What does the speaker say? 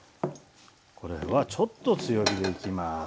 これはちょっと強火でいきます。